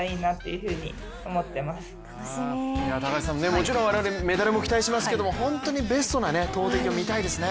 もちろん我々、メダルを期待しますけど本当にベストな投てきを見たいですよね。